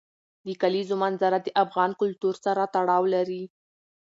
د کلیزو منظره د افغان کلتور سره تړاو لري.